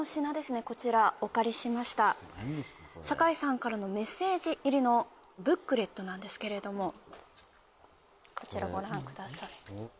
はい坂井さんからのメッセージ入りのブックレットなんですけれどもこちらご覧ください